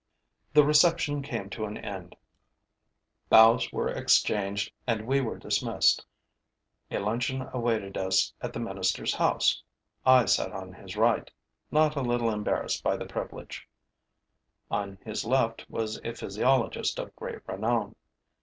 The reception came to an end, bows were exchanged and we were dismissed. A luncheon awaited us at the minister's house. I sat on his right, not a little embarrassed by the privilege; on his left was a physiologist of great renown.